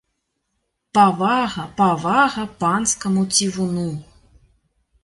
Павага, павага панскаму цівуну!